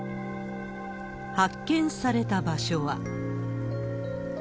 発見された場所は。